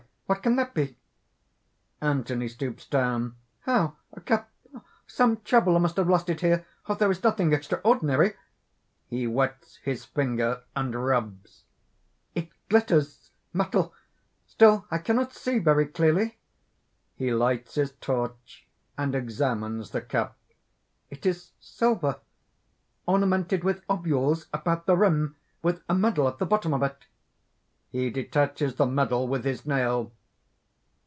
what can that be?" (Anthony stoops down.) "How! a cup! Some traveller must have lost it here. There is nothing extraordinary...." (He wets his finger, and rubs.) "It glitters! metal! Still, I cannot see very clearly...." (He lights his torch, and examines the cup.) "It is silver, ornamented with ovules about the rim, with a medal at the bottom of it." (_He detaches the medal with his nail!